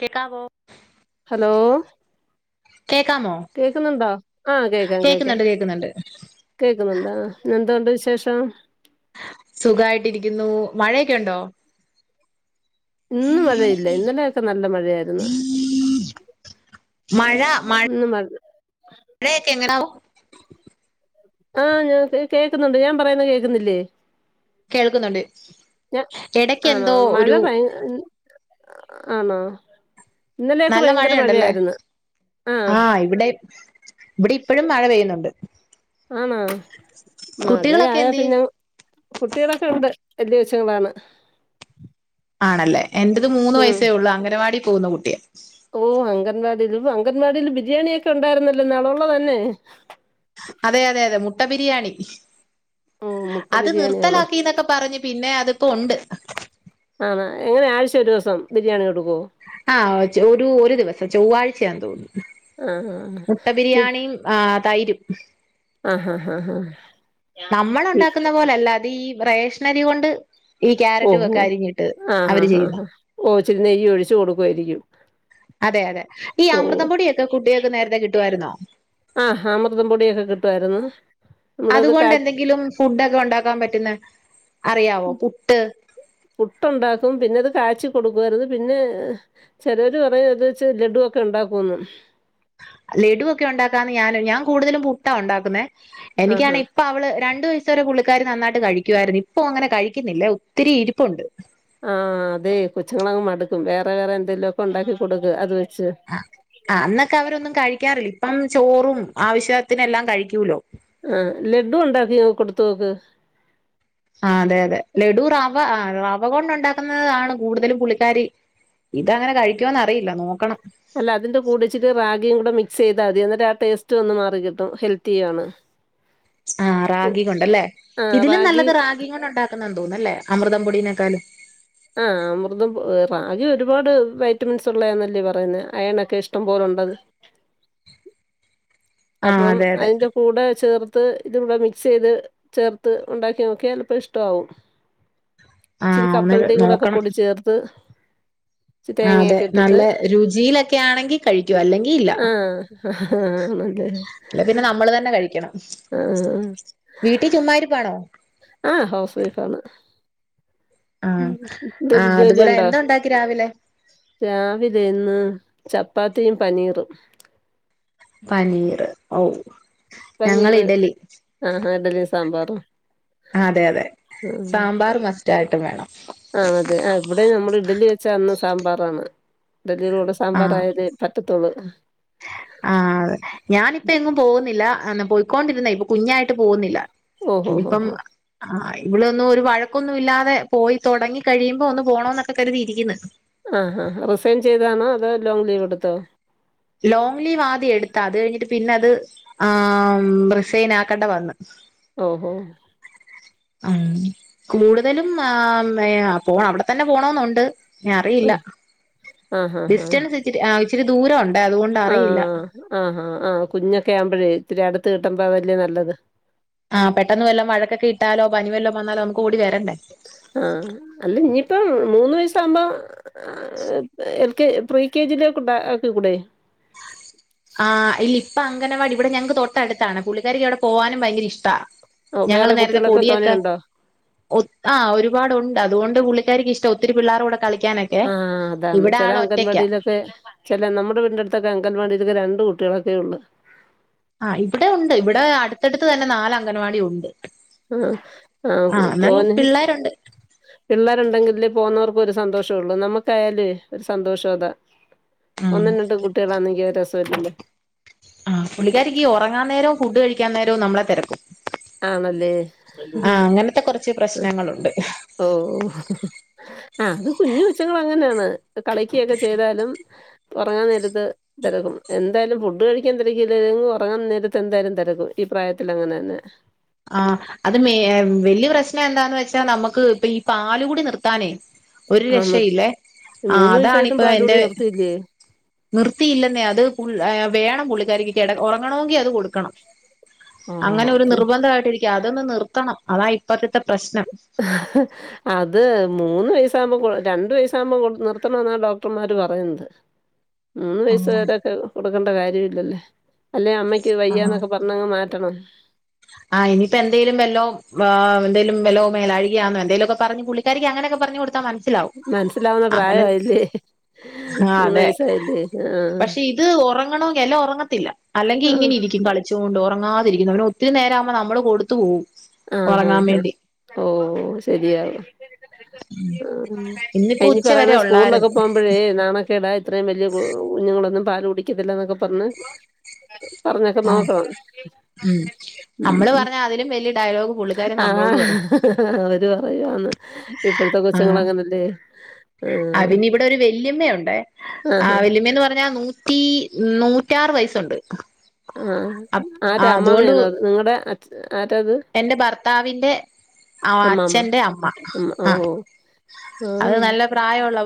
കേക്കാവോ ഹലോ കേക്കാമോ കേക്കുന്നുണ്ടോ ആ കേക്കാ കേക്കാ കേക്കുന്നുണ്ട് കേക്കുന്നുണ്ട് കേക്കുന്നുണ്ട ഞെന്തോണ്ട് വിശേഷം. സുഖായിട്ടിരിക്കുന്നു മഴയൊക്കെ ഉണ്ടോ? ഇന്നും മഴയില്ല ഇന്നലെയൊക്കെ നല്ല മഴയായിരുന്നു. മഴ മ ഇന്ന് മഴ ഴെക്കെ എങ്ങടാവു ആഹ് ഞാ കെ കേക്കുന്നുണ്ട് ഞാൻ പറയുന്ന കേക്കുന്നില്ലേ? കേൾക്കുന്നുണ്ട് ഞ, ഇടക്ക് ആണോ എന്തോ മഴ ഒരു ഭ ആണോ. ഇന്നലെയൊക്കെ നല്ല ഭയങ്കര മഴയൊണ്ടല്ലേ മഴയായിരുന്നു ആഹ് ഇവിടെ ഇവിടിപ്പഴും മഴ പെയ്യുന്നുണ്ട് ആണോ കുട്ടികളൊക്കെ മഴയയാ എന്തിയെ പിന്നെ കുട്ടികളക്കെ ഒണ്ട് വല്ല്യ കൊച്ചുങ്ങളാണ് ആണല്ലേ എന്റത് മൂന്ന് ഉം വയസ്സേ ഉള്ള് അംഗനവാടി പോകുന്ന കുട്ടിയ ഓഹ് അംഗൻവാടില് അംഗൻവാടിൽ ബിരിയാണിയക്കെ ഒണ്ടാര്ന്നല്ലോന്നാൾ ഒള്ളതന്നെ അതെ അതെ അതെ മുട്ട ബിരിയാണി ഓഹ് മുട്ട അത് ബിരിയാണിയാണോ നിർത്തലാക്കിന്നൊക്കെ പറഞ്ഞ് പിന്നെ അതിപ്പോ ഒണ്ട്. ആണോ എങ്ങനെ ആഴ്ച ഒരു ദിവസം ബിരിയാണി കൊടുക് ആഹ് ഒ ചൊ ഒരു ഒരു ദിവസം ചൊവ്വാഴ്ചയാന്ന് തോന്നുന്നു. ആഹ് മുട്ട ആഹ് ബിരിയാണിയും ആ തൈരും. ആഹ് ആഹ് ആഹ് ആഹ് നമ്മൾ ഒണ്ടാക്കുന്ന പോലല്ല അത് ഈ റേഷ്നരി കൊണ്ട് ഈ ക്യാരറ്റും ഓഹ് ഓ ഒക്കെ അരിഞ്ഞിട്ട് ആഹ് അവര് ഹാ ചെയ്യുന്ന ആഹ് ഓ ഇച്ചിരി നെയ്യ് ഒഴിച്ചു കൊടുക്കുയിരിക്കും. അതെ അതെ ഈ അമൃതം പൊടിയൊക്കെ കുട്ടികക്ക്‌ നേരത്തെ കിട്ടുവായിരുന്നോ? ആഹ് അമൃതം പൊടിയൊക്കെ കിട്ടുവായിരുന്നു. നമ്മളത് കാ അതുകൊണ്ട് എന്തെങ്കിലും ഫുഡോക്കെ ഒണ്ടാക്കാൻ പറ്റുന്ന അറിയാവോ പുട്ട് പുട്ടുണ്ടാക്കും, പിന്നെത് കാച്ചി കൊടുക്കുവായിരുന്നു പിന്നെ ചെലര് പറയും അത് വച്ച് ലഡു ഒക്കെ ഒണ്ടാക്കുന്ന്. ലഡുവൊക്കെ ഉണ്ടാക്കാന്ന് ഞാന് ഞാൻ കൂടുതലും പുട്ടാ ഒണ്ടാക്കുന്നെ. ആഹാ എനിക്കാണെ ഇപ്പ അവള് രണ്ട് വയ സ്സ് വരെ പുള്ളിക്കാരി നന്നായിട്ട് കഴിക്കുവായിരുന്നു, ഇപ്പോ അങ്ങനെ കഴിക്കുന്നില്ല, ഒത്തിരി ഇരിപ്പുണ്ട്. ആഹ് അതെ കൊച്ചങ്ങളങ്ങ് മടുക്കും വേറെ വേറെ എന്തേലൊക്കെ ഒണ്ടാക്കി കൊടുക്ക് അത് വെ ആ ആഹ് അന്നൊക്കെ അവരൊന്നും കഴിക്കാറില്ല, ഇപ്പം ചോറും ആവശ്യത്തിനെല്ലാം കഴിക്കൂലോ. ആഹ് ലഡു ഉണ്ടാക്കി കൊടുത്തു നോക്ക് ആഹ് അതെ അതെ ലഡു റവ ആ റവ കൊണ്ട് ഒണ്ടാക്കുന്നതാണ് കൂടുതലും പുള്ളിക്കാരി ഇതങ്ങനെ കഴിക്കുവോന്ന് അറിയില്ല നോക്കണം. അല്ല അതിന്റെ കൂടെ ഇച്ചിരി റാഗിയും കൂടെ മിക്സ് ചെയ്താതി അന്നേരം ആ ടേസ്റ്റ് ഒന്ന് മാറി കിട്ടും ഹെൽത്തി ആണ്. ആഹ് റാഗി കൊണ്ട് അല്ലേ, ഇതിലും നല്ലത് റാഗി കൊണ്ട് ഒണ്ടാക്കുന്നാന്ന് തോന്നുന്നു അല്ലേ? അമൃതം പൊടിനേക്കാലും. ആ അമൃതം പൊ റാഗി ഒരുപാട് വൈറ്റമിൻസ് ഉള്ളയാന്നല്ലേ പറയുന്നെ, അയണൊക്കെ ഇഷ്ടം പോല ഒണ്ടത്. ആ അപ്പം അതെ അതെ അതിന്റെ കൂടെ ചേർത് ത്ത് ഇത് [unintelligible] മിക്സ് ചെയ്ത് ചേർത്ത് ഒണ്ടാക്കി നോക്കിയാൽ പ്പ ഇഷ്ടാവും. ആ ഇച്ചിരി ഒന്ന് കപ്പലണ്ടി കൂടെ ഒക്കെ നോക്കണം പൊടിചേർത്ത് അതെ നല്ല രുചിയിലൊക്കെ ആണെങ്കി കഴിക്കും അല്ലെങ്കിൽ ഇല്ല ആഹ് ആണല്ലേ അല്ല പിന്നെ നമ്മൾ തന്നെ കഴിക്കണം ആഹ് വീട്ടിൽ ചുമ്മാരിപ്പാണോ ആഹ് ഹൗസ് വൈഫാണ് ആ ഉമ് എന്ത ആ ജോലി അതുപോലെ ഉണ്ടോ എന്താ ഉണ്ടാക്കി രാവിലെ രാവിലെ ഇന്ന് ചപ്പാത്തിയും പനീറും പനീർ ഓഹ് പനീർ ആഹ് ആഹ് ഇഡ്ലി സാമ്പാർ അതെ അതെ സാമ്പാർ മസ്റ്റ് ആയിട്ടും വേണം ആണ അതെ ആഹ് ഇവിടെ നമ്മൾ ഇഡലി വെച്ച അന്ന സാമ്പാറാണ് ഇഡലിയുടെ കൂടെ സാമ്പാറ ആയാലേ പറ്റത്തോള് ആഹ് ഞാനിപ്പോ എങ്ങും പോകുന്നില്ല പോയ്ക്കൊണ്ടിരുന്ന ഇപ്പൊ കുഞ്ഞായിട്ട് പോകുന്നില്ല ഓഹോ ഹോ ഇനിപ്പം ഹോ ആഹ് ഇവിളൊന്നും ഒരു വഴക്കൊന്നും ഇല്ലാതെ പോയി തൊടങ്ങി കഴിയുമ്പോ ഒന്ന് പോണൊന്നൊക്കെ കരുതിയിരിക്ക്ന്ന് ആ ഹ ഹ റിസൈൻ ചെയ്താണോ അതോ ലോങ് ലീവെട്ത്തോ ലോങ് ലീവ് ആദ്യം എടുത്താ അത് കഴിഞ്ഞിട്ട് പിന്നെ അത് ആ റിസൈൻ ആക്കണ്ട വന്ന് ഓഹോ ആ കൂടുതലും ആ വേ പോണം അവ്ടെ തന്നെ പോണാെന്നുണ്ട് ന്നെ അറിയില്ല ആഹ് ഡിസ്റ്റൻസ് ഇച്ചിരി ആ ഇച്ചിരി ദൂര ഒ ആ ആഹാ ആ കുഞ്ഞൊക്കെ ആവുമ്പഴേ ഇത്തിരി അടുത്ത് കിട്ടുമ്പോ അതല്ലേ നല്ലത് ആ പെട്ടെന്ന് വല്ലം വഴക്കൊക്കെ ഇട്ടാലോ പനി വല്ലോം വന്നാലോ നമുക്ക് ഓടി വരണ്ടേ ആ അല്ല ഇനിയിപ്പം മൂന്ന് വയസാകുമ്പാ എൽകെ പ്രികെജിയിലേക്ക് കൊണ്ടാ ആക്കി കൂടെ ഉ [inaudible] ആ ഇല്ല ഇപ്പ അങ്ങനവാടി ഇവിടെ ഞങ്ങക്ക് തൊട്ടടുത്താണ് പുള്ളിക്കാരിക്ക് അവിടെ പോവാനും ഭയങ്കര ഇഷ്ടാ ഞങ്ങൾ വേറെ നേരത്തെ കുട്ടികളൊക്കെ പൊടിയൊക്കെ തോനെയുണ്ടോ ഒത് ആ ഒരുപാടുണ്ട് അത്കൊണ്ട് പുള്ളിക്കാരിക്കിഷ്ടവാ ഒത്തിരി പിള്ളാര്ടെ കൂടെ കളി ആ അതാണ് ചെല അങ്കൻവാടിയിലൊക്കെ ചെല നമ്മുടെ വീടിൻന്റട്ത്തൊക്കെ അങ്കൻവാടിയിലൊക്കെ രൺ കുട്ടികളൊക്കെ ഒള്ള് ആ ഇവിടെ ഉണ്ട് ഇവിടെ അടുത്തടുത്ത് തന്നെ നാല് അംഗൻവാടി ഉണ്ട് ആ ആ എന്നാലും തോന്നെ പിള്ളേരുണ്ട് പിള്ളാ ര്ണ്ടെങ്കില് പോകുന്നവർക്ക് ഒരു സന്തോഷംള്ളൂ നമുക്കായാലേ ഒരു സന്തോഷ അതാ ഉം ഒന്നും രണ്ടും കുട്ടികളാന്നെങ്കി ഒര് രസവും ഇല്ലല്ലോ ആ പുള്ളിക്കാരിക്ക് ഈ ഒറങ്ങാൻ നേരവും ഫുഡ് കഴിക്കാൻ നേരവും നമ്മളെ തെരക്കും ആണല്ലേ അങ്ങനത്തെ കുറച്ച് പ്രശ്നങ്ങളുണ്ട് ഓ ഓ ഹ് ഹ് ആ അത് കുഞ്ഞ് കൊച്ചുങ്ങളങ്ങനെയാണ് കളിക്കയൊക്കെ ചെയ്താലും ഒറങ്ങാൻ നേരത്ത് തെരകും എന്തായാലും ഫുഡ് കഴിക്കാൻ തെരക്കിയില്ലേലും ഒറങ്ങാൻ നേരത്തെന്തായാലും തെരക്കും ഈ പ്രായത്തിലങ്ങനെന്നെ ആ അത് മേ വല്യ പ്രശ്നം എന്താന്ന് വെച്ചാ നമ്ക്ക് പ്പ ഈ പാല് കൂടി നിർത്താനേ ഒരു ആ നിർ- രക്ഷയില്ലേ ആ മൂന്ന് വയസ്സായിട്ടും അതാണിപ്പൊ പാലുകൂടി എന്റെ നിർത്തിയില്ലേ നിർത്തിയില്ലെന്നേ അത് ഫുൾ വേണം പുള്ളിക്കാരിക്ക് കെട ഒറങ്ങണൊങ്കി അത് കൊട്ക്കണം ആ കാട്ടിയിരിക്ക അതൊന്ന് നിർത്തണം അതാ ഇപ്പോഴത്തത്തെ അത് മൂന്ന് വയസ് ക്കാവുമ്പ കൊ രണ്ട് വയസാവുമ്പോ കൊട് നിർത്തണംന്നാ ഡോക്ടർമാര് പറയ്ന്നത് മൂന്ന് വയസ് വരൊക്കെ കൊടുക്കേണ്ട കാര്യം ഇല്ലല്ലേ അല്ലേ അമ്മക്ക് വയ്യാന്നൊക്കെ പറഞ്ഞങ്ങ് മാ റ്റണം ആ ഇനിയിപ്പോ എന്തെങ്കിലും വല്ലോ ആ എന്തേലും വല്ലോ മേലാഴികയാന്നോ എന്തേലാെക്കെ പറഞ്ഞ് പുള്ളിക്കാരിക്ക് അങ്ങനൊക്കെ പറഞ്ഞ് കൊടുത്താ മനസിലാവും മനസ്സിലാവുന്ന അങ്ങനെ പ്രായമായില്ലേ? ആ അതെ വയസ്സായില്ലേ? ആഹ് പക്ഷെ ഇത് ഒറങ്ങണങ്കി അല്ലെ ഒറങ്ങത്തില്ല അല്ലെങ്കി ആഹ്. ഇങ്ങനെ ഇരി രിക്കും കളിച്ചാേണ്ട് ഒറങ്ങാതിരിക്കുന്ന പിന്നെ ഒത്തിരി നേരം ആവുമ്പോ നമ്മള് കൊടുത്ത് പോവും ആ ഹാ ഹാ ഓ ശെരിയാണ് ആ ഇന്നിപ്പോ ഇനി ഉച്ച വരെ പറയണ സ്കൂളിലൊക്കെ ഉള്ളായിരുന്നു പോകുമ്പോഴേ നാണ കേടാ ഇത്രയും വലിയ കു കുഞ്ഞുങ്ങളൊന്നും പാല് കുടിക്കത്തില്ലന്നൊക്കെ പറഞ്ഞ് പറഞ്ഞൊക്കെ നോക്കണം ഉം നമ്മള് ഉം പറഞ്ഞ അതിലും വലിയ ഡയലോഗ് പുള്ളിക്കാരി ആ നമ്മളോട് പറയും ഹ് ഹ് അവര് പറയുവാന്ന് ഇപ്പഴത്തെ കൊച്ചുങ്ങള് അങ്ങനല്ലേ ആ ആ പിന്നെ ഇവിടെ ഒരു വെല്യയമ്മയുണ്ടേ ആ ആഹാ വല്യമ്മേന്ന് പറഞ്ഞാൽ നൂറ്റി നൂ റ്റാറു വയസ്സുണ്ട് ആ ആ ആരാ അതുകൊണ്ട് അമ്മാമയാണോ അത് നിങ്ങടെ അ എന്റെ ഭർത്താവിന്റെ ആ അമ്മാമ്മ. അച്ഛന്റെ അമ്മ ആ അത് ആഹ് നല്ല പ്രായൊള്ള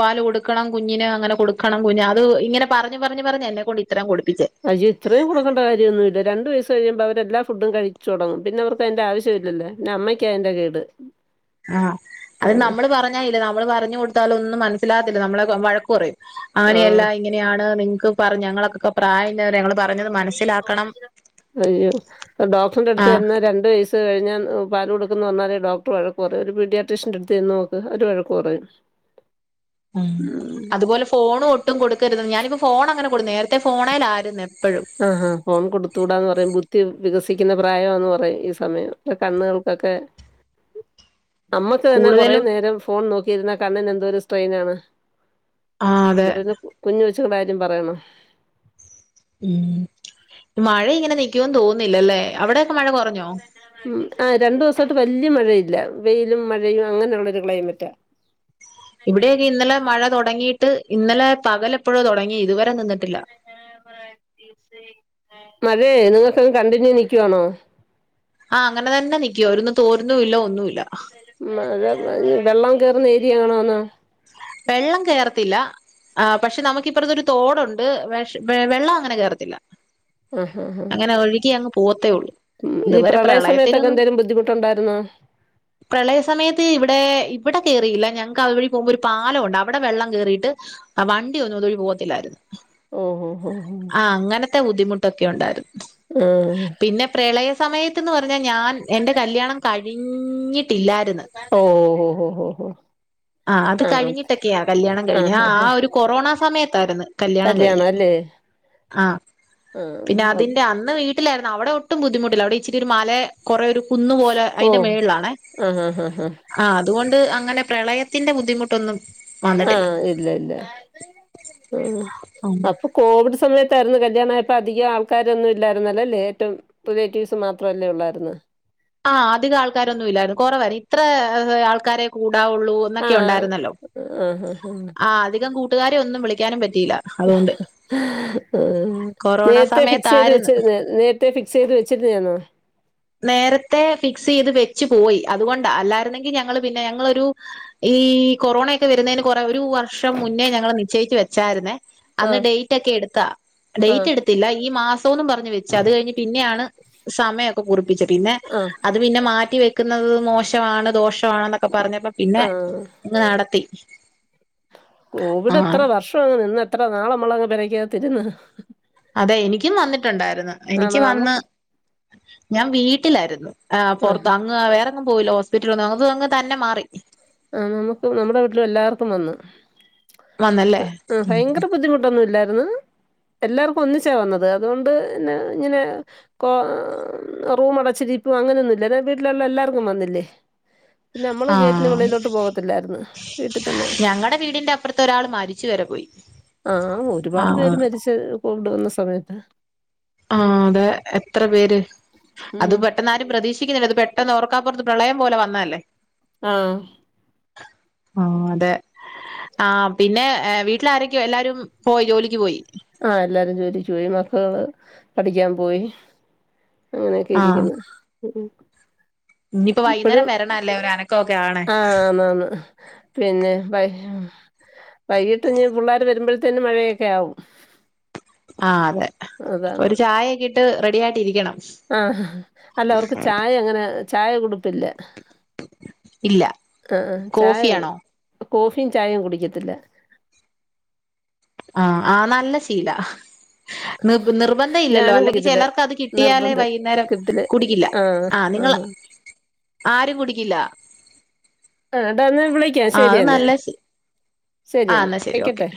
പാല് കൊടുക്കണം കുഞ്ഞിന് അങ്ങനെ കൊടുക്കണം കുഞ്ഞിന് അത് ഇങ്ങനെ പറഞ്ഞ് പറഞ്ഞ് പറഞ്ഞ് എന്നെ കൊണ്ട് ഇത്രേം കൊട് അയ്യേ ഇത്രയും കൊടുക്കണ്ട കാര്യമൊന്നുമില്ല രണ്ട് വയസ് കഴിയുമ്പോ അവരെല്ലാ ഫുഡും കഴിച്ച് തുടങ്ങും പിന്നെ അവർക്ക് അതിന്റെ ആവശ്യം ഇല്ലല്ലോ പിന്നെ അമ്മയ്ക്കാണ് അതിന്റെ കേട് ആഹ് അത് ആഹ് നമ്മള് പറഞ്ഞാ ഇല്ലേ നമ്മള് പറഞ്ഞു കൊടുത്താല് ഒന്നും മനസ്സിലാത്തില്ല നമ്മളെ വഴക്ക് കുറയും അങ്ങനെയല്ല ആഹ് ഇങ്ങനെയാണ് നിങ്ങക്ക് പറഞ്ഞ ഞങ്ങള്ക്കൊക്കെ പ്രായം അയ്യോ ആ ഡോക്ടറിന്റടുത്തു ചെന്നാ രണ്ട് വയസു കഴിഞ്ഞാ ഞ പാൽ കൊടുക്കുന്നന്ന് പറഞ്ഞാല് ഡോക്ടർ വഴക്ക് പറയും ഒരു പീഡാട്രിഷൻന്റെറടുത്ത്ന്ന് ചെന്ന് നോക്ക് അവര് വഴക്ക് പറയും. ആഹ് ഉം അതുപോലെ ഫോണും ഒട്ടും കൊടുക്കരുത് ഞാനിപ്പോ ഫോൺ അങ്ങനെ കൊടു നേ ആഹഹാ ഫോൺ കൊടുത്തൂടാന്ന് പറയുബു ദ്ധി വികസിക്കുന്ന പ്രായാന്ന് പറയും ഈ സമയം കണ്ണുകൾക്കൊക്കെ. അമ്മക്ക് തന്നെ കുറെ കൂടുതലും നേരം ഫോൺ നോക്കിയിരുന്നൽ കണ്ണിന്എന്തോ ഒരു സ്ട്രെയിൻ ആണ്. ആ അതെ അിെ കുഞ്ഞ് വെച്ച കാര്യം പറയണോ? ഉം മഴ ഇങ്ങനെ നിക്കുവന്ന് തോന്നുന്നില്ലല്ലേ അവിടെ ഉ ആ രണ്ടു ദിവസാട്ട്. വലിയ മഴയില്ല വെയിലും മഴയും അങ്ങനെയുള്ളോരു ക്ലൈമറ്റ. ഇവിടെയൊക്കെ ഇന്നലെ മഴ തുടങ്ങിയിട്ട് ഇന്നലെ പകലെപ്പോഴോ തുടങ്ങി ഇതുവരെ നിന്നിട്ടില്ല. മതേ നിങ്ങക്ക് കണ്ടിന്യൂ നിക്കുവാണോ? ആഹ അങ്ങനെ തന്നെ നിക്കിയ ഒന്ന് തോരുന്നില്ല ഒന്നുമില്ല. മ്മ് അ അത് വെള്ളം കേയറുന്ന ഏരിയ ആണോന്നോ. വെള്ളം കയർത്തില്ല. ആ പക്ഷെ നമുക്കിപ്പറത്ത് ഒരു തോടുണ്ട് വെഷ് വെള്ളം അങ്ങനെ കേയറത്തില്ല. ആഹ് ആഹ് ആഹ് അങ്ങനെ ഒഴുകി അങ്ങ് പോവാത്തേ ഉള്ളു. ഈ പ്രളയ സമയത്തൊക്കെ എന്തെലും ബുദ്ധിമുട്ടുണ്ടായിരുന്നോ? പ്രളയ സമയത്ത് ഇവിടെ ഇവിടെ. ക കേറിയില്ല ഞങ്ങൾക്ക് അതുവഴി പോകുമ്പോൾ ഒരു പാലംഉണ്ട് അവിടെ വെള്ളം കേയറിട്ട് വണ്ടിയൊന്നും. അതുവഴി പോകത്തില്ലായിരുന്നു. ഓഹ് ഓഹ് ആ അങ്ങനത്തെ ബുദ്ധിമുട്ട്. ഒക്കെ ഉണ്ടായിരുന്നു ഓഹ് പിന്നെ പ്രളയ സമയത്ത്ന്ന് പറ ഞാൻ എന്റെ കല്ല്യണംകഴിഞ്ഞിട്ട്. ഓ ഒ ഒ ഒ ഒ. ആ അത് കഴിഞ്ഞിട്ടൊക്കെയാ കല്ല്യാണം കഴിഞ്ഞഞ് ആ ആ ആഹ് ഒരു കൊറോണ സമയത്തായിരുന്നു കല്ല്യാണം കല്യാണം കഴിഞ്ഞത്. അല്ലേ ആഹ പിന്നെ ആഹ് അതിന്റെ അന്ന് വെ വീട്ടിലായിരുന്നു അവിടെ ഒട്ടും ബുദ്ധിമുട്ടില്ല അവിടെ ഇച്ചിരിഒരു മല കൊറേ ഒരു. കുന്ന് പോലെ അതിന്റെ ഓഹ് മേളിലാണ് ആഹ് ആഹ് ആഹ് ആഹ് ആ അതുകൊണ്ട് അങ്ങനെ പ്രളയ ത്തിന്റെ ബുദ്ധിമുട്ടൊന്നും. ആഹ ഇല്ല ഇല്ല ആഹ അപ്പൊ കോവിഡ്സ സമയത്തായിരുന്നു കല്ല്യാണംആപ്പം അധികം ആൾക്കാരൊന്നും ഇല്ലായിുന്നല്ലല്ലേ ഏറ്റവും റിലേറ്റീവ്സ് മാത്രല്ലേ ഉള്ളായിരുന്നു. ആ അധിക ആൾക്കാരൊന്നും ഇല്ലായിരുന്നു കൊറവായിരുന്നു ഇത്ര ആ ആൾക്കാരെ കൂ ഒള്ളൂ എന്നൊക്കെ ആഹ് ഉണ്ടായിരുന്നല്ലോ ആഹ് ആഹ് ആ അധികം കൂട്ടുകാരെ ഒന്നും വിളിക്കാനും പറ്റി ആ ഹെ കൊറോണ നേരത്തെ ഫിക്സ് ചെയ്ത് സമയത്തായിരുന്നു. വെച്ച് നേരത്തെ ഫിക്സ് ചെയ്ത് വെച്ച്. ഫ്രീയാണോ. നേരത്തെ ഫിക്സ് ചെയ്ത് വെച്ച് പോയി അതുകൊണ്ട അല്ലായിരുന്നെങ്കിൽ ഞങ്ങൾ പിന്നെ ഞങ്ങളൊരു ഈ കൊറോണെ. [unintelligible] കുറേ ഒരു വർഷം മുന്നേ ഞങ്ങൾ നിശ്ചയിച്ച് വെച്ചായിരുന്നേ. അന്ന് ആഹ് ഡേറ്റ് ഒക്കെ എടുത്താ ഡേറ്റ് ആഹ് എടുത്തില്ല ഈ മാസം. തും പറഞ്ഞ് വെച്ചത് അത്കഴിഞ്ഞ് പിന്നെയാണ് സമയമൊക്കെ കുറിപ്പിച്ചത് പിന്നെ ആഹ് അത് പിന്നെ മാറ്റി വെ നിക്കുന്നത് മോശമാണ് ദോഷമാണ് എന്നൊക്കെ പറഞ്ഞപ്പോ പിന്നെ ആഹ് ഇങ്ങ് നടത്തി. കോവിഡ് ആഹ് എത്ര വർഷം അങ്ങ് നിന്ന് എത്ര നാള് നമ്മളങ്ങ് പരയ്ക്കതിരുന്ന്. അതെ എനിക്കും വന്നിട്ടുണ്ടായിരുന്നു എനിക്ക് ആണോ വന്ന് നമുക്ക് ഞാൻ വീട്ടിലായിരുന്നു. ആ ആഹ് പുറത്ത് അങ് വേറെങ്ങ് പോയില്ല ഹോസ്പിറ്റലിലേന്നും അത് അങ്ങ് തന്നെ മാറി. ആ നമുക്കും നമ്മടെ വീട്ടില എല്ലർക്കും വന്ന്. പ വന്നല്ലേ ആഹ് ഭയങ്കര ബുദ്ധിമുട്ടൊന്നുല്ലായിരുന്ന്. എല്ലാർക്കും ഒന്നിച്ച വന്നത് അതോണ്ട ന്നെ ഇങ്ങനെ കോ റൂമ അടച്ച് ജീ ഇപ്പ അങ്ങനൊന്നുല്ല വീട്ടിലുള്ള എല്ലാർക്കും വന്നില്ലേ? പിന്നെ നമ്മള് ഗേറ്റിന് ആഹ് വെളിയിലോട്ട് പോകത്തില്ലായിര്ന്ന് വീട്ടി തന്നെ. ഞങ്ങടെ വീടിന്റെ അപ്പുറത്ത് ഒരാൾ മരിച്ചു വരെ പോയി ആഹ് ആ ഒരുപാട് പേര് മരിച്ച് പോവ്ണ്ട് ന്ന സമയത്ത ആഹ് അതെ എത്ര പേര് അത് ഉം പെട്ടൊന്ന് ആരും പ്രതീക്ഷി [unintelligible] പെട്ടൊന്ന് ഓർക്കാ പ്പുറത്ത് പ്രളയം പോലെ വന്നല്ലേ. ആഹ് ആഹ് അതെ. ആഹ് പിന്നെ വീട്ടിലാരൊക്കെ എല്ലാരും പോയി ജോലിക്ക് പോയി. ആഹ് എല്ലാരും ജോലിക്ക് പോയി. മക്കള് പഠിക്കാൻ പോയി. അങ്ങനെയൊക്കെ ആ ഇരിക്കുന്നു ഉമ് ഇനിയിപ്പോ വൈകുന്നേരം ഇപ്പഴും വരണല്ലേ ഒരു അനക്കമൊക്കെ ആണ് അഹ് ആന്നാന്ന് പിന്നെ വൈ വൈകിറ്റിഞ്ഞി പുള്ളര് വരുമ്പഴത്തേന് മഴയെക്കെ ആവും. ആഹ് അതെ ഒരു ചായെക്കിട്ട് റെഡിയായിട്ട് ഇരിക്കണം. ആഹ് അല്ല അവർക്ക് ചായ അങ്ങനെ ചായ കുടുപ്പില്ല. ഇല്ല ആഹ് അഹ് ചായ കോഫിയാണോ കോഫീം ചായേം കുടിക്കത്തില്ല. ആഹ് ആഹ് നല്ല ശീലാ. നി നിർബന്ധംഇല്ലല്ലോ. ഞാനും അല്ലെങ്കിൽ കുടിക്കത്തില്ല ചിലർക്ക് അത് കിട്ടിയാലേ നിർബന്ധം വൈകുന്നേരം കുടിക്കില്ല. ആഹ് നി ഉം ആരും കുടിക്കില്ല. ആ ടാ ന്ന വിളിക്കാം ആ അത് ശെരിന്നെ. നല്ല ശീ ആ ശരിയെന്നാ എന്നാ ശരി ഓക്കെ വെക്കട്ടെ.